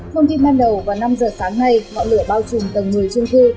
hôm đi ban đầu vào năm giờ sáng nay ngọn lửa bao trùm tầng một mươi chung cư